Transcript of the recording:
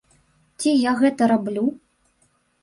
Ці я гэта раблю?